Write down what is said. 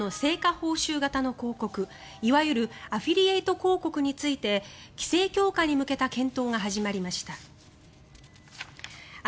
報酬型の広告いわゆるアフィリエイト広告について規制強化に向けた検討が始まりました。